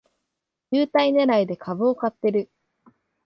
優待ねらいで株を買ってる